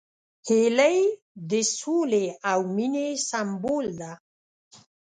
هیلۍ د سولې او مینې سمبول ده